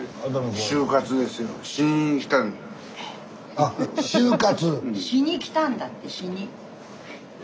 あっ終活。